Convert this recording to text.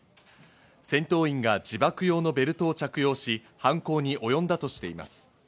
戦闘員が自爆用のベルトを着用し犯行に及んだとしています。